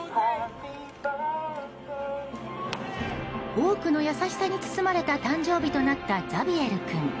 多くの優しさに包まれた誕生日となった、ザビエル君。